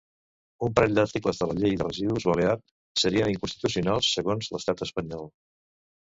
Un parell d'articles de la llei de residus balear serien inconstitucionals segons l'estat espanyol.